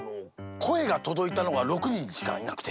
こえがとどいたのが６にんしかいなくて。